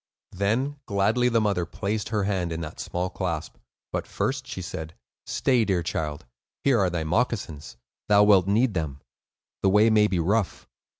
Then gladly the mother placed her hand in that small clasp; but first she said: "Stay, dear child; here are thy moccasins. Thou wilt need them; the way may be rough."